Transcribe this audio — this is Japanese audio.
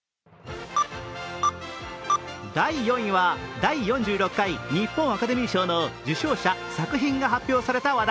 第４位は、第４６回日本アカデミー賞の受賞者、作品が発表された話題。